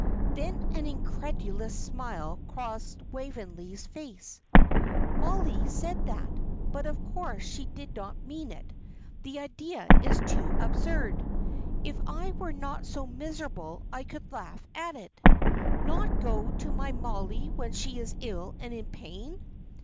Then an incredulous smile crossed Waveney's face. "Mollie said that, but of course she did not mean it; the idea is too absurd. If I were not so miserable I could laugh at it. Not go to my Mollie when she is ill and in pain!